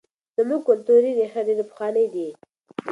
زموږ کلتوري ریښې ډېرې پخوانۍ دي.